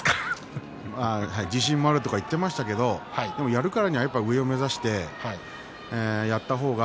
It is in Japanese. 自信があるとか言っていましたけど、やるからには上を目指してやった方が。